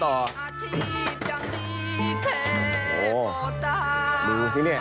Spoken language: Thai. โหดูซิเนี่ย